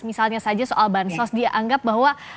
misalnya saja soal bansos dianggap bahwa